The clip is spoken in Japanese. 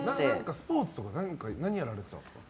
スポーツとか何をやられてたんですか？